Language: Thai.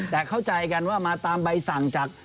แต่เข้าใจกันว่ามาตามใบสั่งจาก